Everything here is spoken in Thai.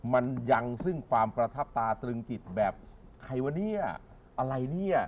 มันยังซึ่งความประทับตาตรึงจิตแบบใครวะเนี่ยอะไรเนี่ย